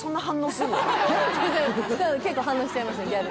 結構反応しちゃいました「ギャル」